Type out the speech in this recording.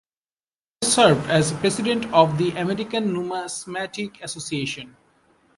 He has served as president of the American Numismatic Association.